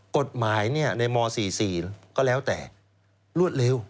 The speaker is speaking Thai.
กฎหมายในม๔๔ก็แล้วแต่รวดเร็ว